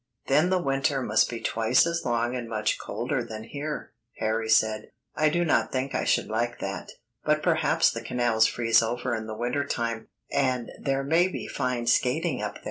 "Then the winter must be twice as long and much colder than here," Harry said. "I do not think I should like that. But perhaps the canals freeze over in the winter time, and there may be fine skating up there?"